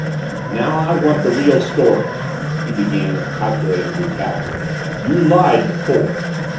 "Now I want the real story!" he began with calculated brutality. "You lied before!"